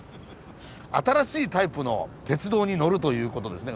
新しいタイプの鉄道に乗るということですね。